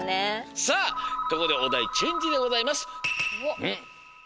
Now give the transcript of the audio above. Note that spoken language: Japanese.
さあここでおだいチェンジでございます！